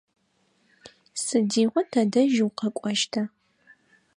Сыдигъо тадэжь укъэкӏощта?